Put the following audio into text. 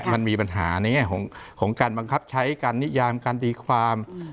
มันมีปัญหาในแง่ของการบังคับใช้การนิยามการตีความ